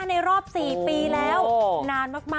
ในรอบ๔ปีแล้ว